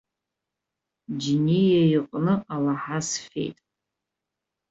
Џьениаиҟны алаҳа сфеит.